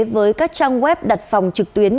với các trang web đặt phòng trực tuyến